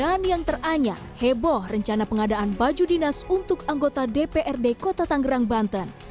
dan yang teranya heboh rencana pengadaan baju dinas untuk anggota dprd kota tanggerang banten